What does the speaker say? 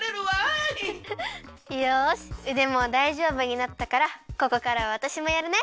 よしうでもだいじょうぶになったからここからはわたしもやるね。